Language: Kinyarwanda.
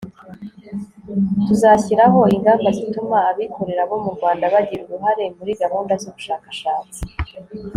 tuzashyiraho ingamba zituma abikorera bo mu rwanda bagira uruhare muri gahunda z'ubushakashatsi